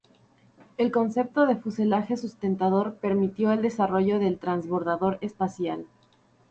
El concepto de fuselaje sustentador permitió el desarrollo del transbordador espacial.